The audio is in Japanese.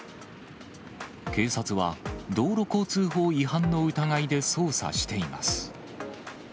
警察は、道路交通法違反の疑いで捜査しています。